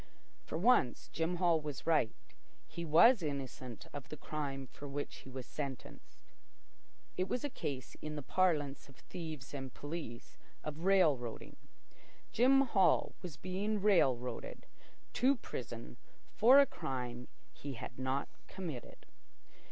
For once, Jim Hall was right. He was innocent of the crime for which he was sentenced. It was a case, in the parlance of thieves and police, of "rail roading." Jim Hall was being "rail roaded" to prison for a crime he had not committed.